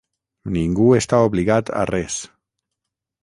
Ningú està obligat a res.